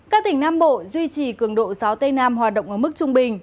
các tỉnh nam bộ duy trì cường độ gió tây nam hoạt động ở mức trung bình